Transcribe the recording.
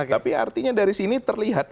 tapi artinya dari sini terlihat